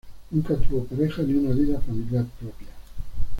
Nunca tuvo pareja ni una vida familiar propia.